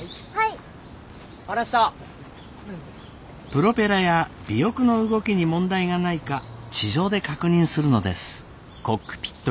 プロペラや尾翼の動きに問題がないか地上で確認するのです。